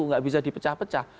tidak bisa di pecah pecah